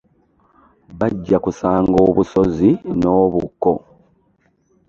Bajja kusanga obusozi n'obukko.